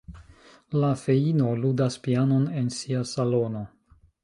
La feino ludas pianon en sia salono.